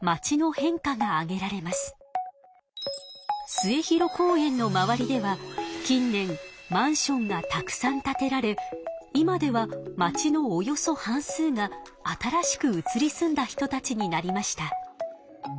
末広公園の周りでは近年マンションがたくさん建てられ今ではまちのおよそ半数が新しく移り住んだ人たちになりました。